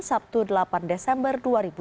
sabtu delapan desember dua ribu delapan belas